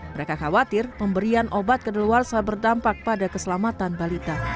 mereka khawatir pemberian obat kedeluarsa berdampak pada keselamatan balita